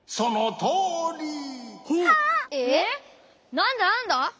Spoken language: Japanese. なんだなんだ？